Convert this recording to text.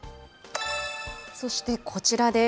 そしてこちらです。